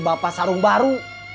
bapak sarung baru